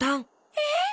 えっ？